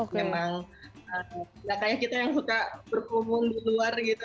memang ya kayak kita yang suka berkerumun di luar gitu